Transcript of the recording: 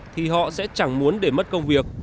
thì họ sẽ chẳng muốn để mất công việc